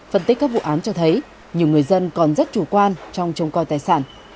phân tích các vụ án cho thấy nhiều người dân còn rất chủ quan trong trông coi tài sản